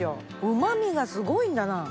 うま味がすごいんだな！